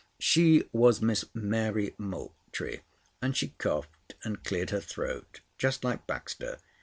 She was Miss Mary Moultrie, and she coughed and cleared her throat just like Baxter.